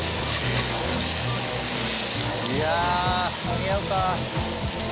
いや間に合うか？